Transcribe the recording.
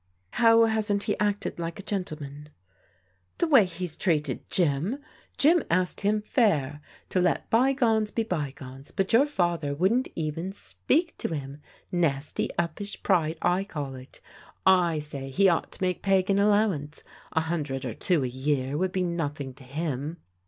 How hasn't he acted like a gentleman'? '^ 226 PRODIGAL DAUGHTEBS " The way he's treated Jim. Jim asked him fsur to let bygones be bygones, but your father wouldn't even speak to him. Nasty, uppish pride, I call it I say he ought to make Peg an allowance. A himdred or two a year would be nothing to him.